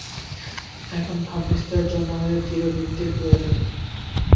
এখন ভাববিস্তারের জন্য আমাদের দৃঢ় ভিত্তির প্রয়োজন।